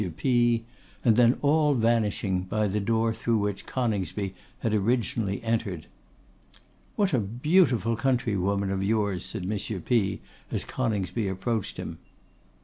P s, and then all vanishing by the door through which Coningsby had originally entered. 'What a beautiful countrywoman of yours!' said M. P s, as Coningsby approached him.